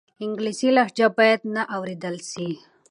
انګلیسي لهجه باید نه واورېدل سي.